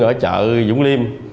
ở chợ dũng liêm